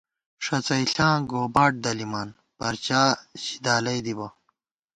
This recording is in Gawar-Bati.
ݭڅَئیݪاں گوباٹ دلِمان ، پرچا ژِی دالَئ دِبہ